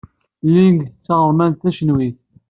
Ling d taɣermant tacinwat.